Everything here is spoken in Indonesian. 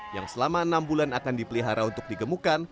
yang selama enam bulan akan dipelihara untuk digemukan